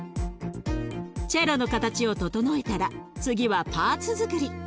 チェロの形を整えたら次はパーツづくり。